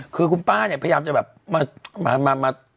คือคุณป้าเนี่ยพยายามจะแบบมา